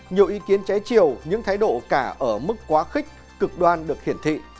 nhiều ý kiến trái chiều những thái độ cả ở mức quá khích cực đoan được hiển thị